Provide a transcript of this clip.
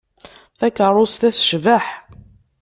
Takeṛṛust-a tecbeḥ.